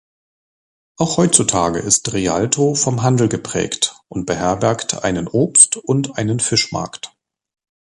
Auch heutzutage ist Rialto vom Handel geprägt und beherbergt einen Obst- und einen Fischmarkt.